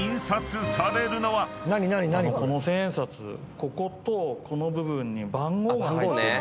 こことこの部分に。